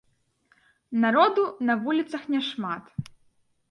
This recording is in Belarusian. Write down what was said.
Народу на вуліцах няшмат.